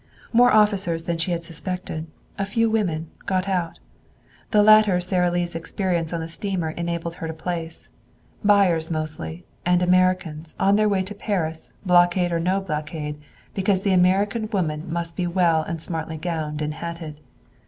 More officers than she had suspected, a few women, got out. The latter Sara Lee's experience on the steamer enabled her to place; buyers mostly, and Americans, on their way to Paris, blockade or no blockade, because the American woman must be well and smartly gowned and hatted.